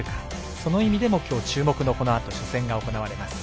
その意味でも、きょう注目のこのあと初戦が行われていきます。